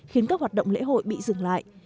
khiến các hoạt động lễ hội bị dừng lại